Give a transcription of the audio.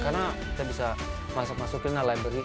karena kita bisa masuk masukin lah library